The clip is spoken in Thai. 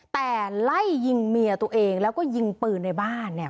แต่ไล่ยิงเมียตัวเองแล้วก็ยิงปืนในบ้านเนี่ย